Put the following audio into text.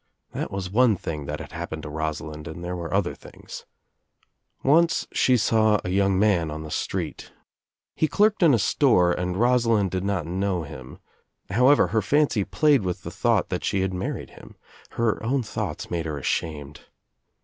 That was one thing that had happened to Rosalind and there were other things. Once she saw a young man on the street. He clerked in a store and Rosalind did not know him. However her fancy played with the thought that she had married him. Her own thoughts made her ashamed.